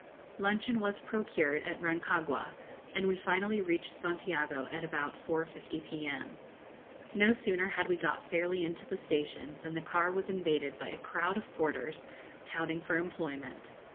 Luncheon was procured at Rancagua, and we finally reached Santiago at about 4.50 p.m. No sooner had we got fairly into the station than the car was invaded by a crowd of Porters touting for employment.